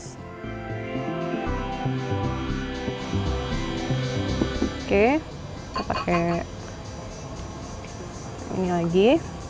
oke kita pakai ini lagi